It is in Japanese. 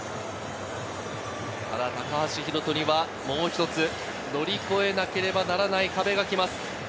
高橋宏斗にはもう一つ乗り越えなければならない壁がきます。